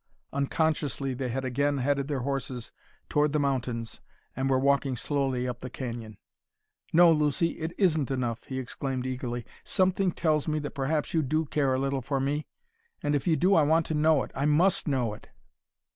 Unconsciously they had again headed their horses toward the mountains and were walking slowly up the canyon. "No, Lucy; it isn't enough!" he exclaimed eagerly. "Something tells me that perhaps you do care a little for me, and if you do I want to know it I must know it!"